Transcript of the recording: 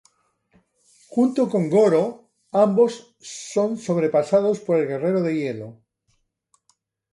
Junto con Goro, ambos son sobrepasados por el guerrero de hielo.